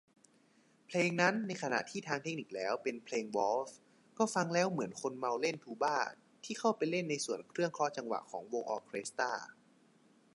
เพลงนั้น ในขณะที่ทางเทคนิคแล้วเป็นเพลงวอลทซ์ ก็ฟังแล้วเหมือนคนเมาเล่นทูบาที่เข้าไปเล่นในส่วนเครื่องเคาะจังหวะของวงออร์เคสตร้า